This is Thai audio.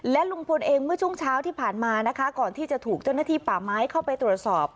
และลุงพลเองเมื่อช่วงเช้าที่ผ่านมานะคะก่อนที่จะถูกเจ้าหน้าที่ป่าไม้เข้าไปตรวจสอบ